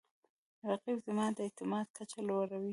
رقیب زما د اعتماد کچه لوړوي